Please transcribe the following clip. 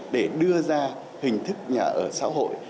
để đưa ra hình thức nhà ở xã hội